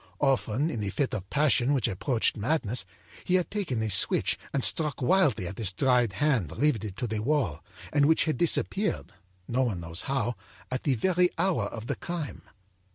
âOften, in a fit of passion which approached madness, he had taken a switch and struck wildly at this dried hand riveted to the wall, and which had disappeared, no one knows how, at the very hour of the crime.